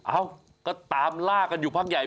เอ้าก็ตามล่ากันอยู่พักใหญ่